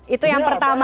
itu yang pertama